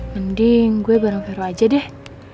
mending gue bareng vero aja deh